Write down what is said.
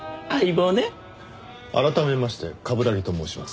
改めまして冠城と申します。